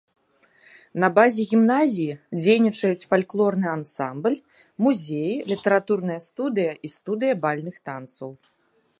На базе гімназіі дзейнічаюць фальклорны ансамбль, музеі, літаратурная студыя і студыя бальных танцаў.